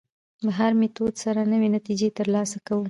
له هر میتود سره نوې نتیجې تر لاسه کوو.